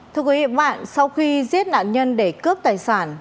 thưa quý vị và các bạn sau khi giết nạn nhân để cướp tài sản